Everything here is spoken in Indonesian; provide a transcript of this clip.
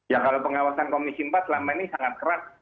ya kalau pengawasan komisi empat selama ini sangat keras